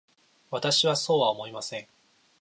私はそうは思いません。